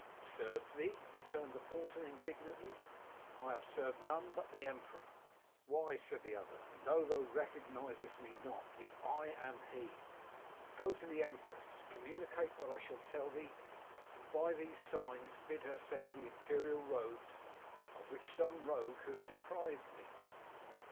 "* Served thee !' returned the porter indignantly ;* I have served none but the emperor.' «< Why!' said the other, * though thou recognisest me not, yet I am he. Go to the empress ; com municate what I shall tell thee, and by these signs, bid her send the imperial robes, of which some rogue has deprived me.'